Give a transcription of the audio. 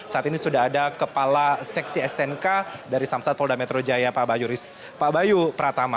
saat ini sudah ada kepala seksi stnk dari samsat polda metro jaya pak bayu pratama